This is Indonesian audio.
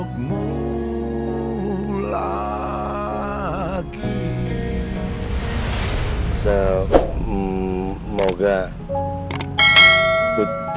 semuanya pun masih kuat